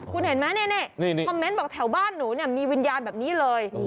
คุณเห็นไหมนี่คอมเมนต์บอกแถวบ้านหนูมีวิญญาณแบบนี้เลย